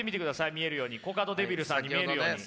見えるようにコカドデビルさんに見えるように。